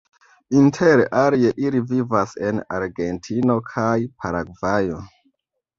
Inter alie ili vivas en Argentino kaj Paragvajo.